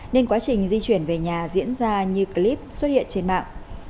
nên quá trình di chuyển về nhà diễn ra như clip xuất hiện trên mạng